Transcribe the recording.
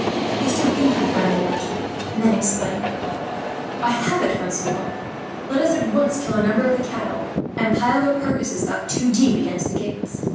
He stood thinking for a minute or two, and then exclaimed: "I have it, Francois. Let us at once kill a number of the cattle, and pile their carcasses up, two deep, against the gates.